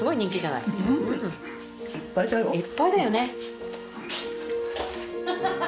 いっぱいだよね。